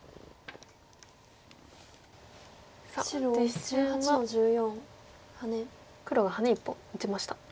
さあ実戦は黒がハネ１本打ちました。